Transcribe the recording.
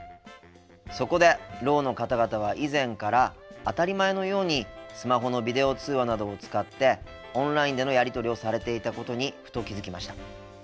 そこでろうの方々は以前から当たり前のようにスマホのビデオ通話などを使ってオンラインでのやり取りをされていたことにふと気付きました。